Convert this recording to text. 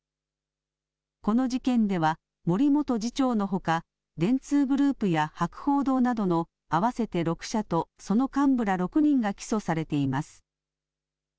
この事件では森元次長のほか電通グループや博報堂などの合わせて６社とその幹部ら６人が起訴されています。